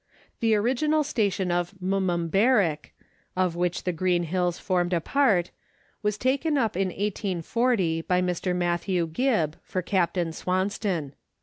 The original station of " Mumumberick," of which the Green Hills formed a part, was taken up in 1840 by Mr. Matthew Gibb, for Captain Swauston.